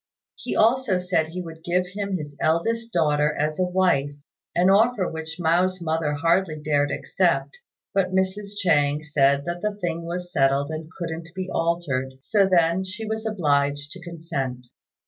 He also said he would give him his eldest daughter as a wife, an offer which Mao's mother hardly dared accept; but Mrs. Chang said that the thing was settled and couldn't be altered, so then she was obliged to consent.